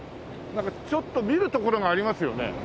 なんかちょっと見る所がありますよね？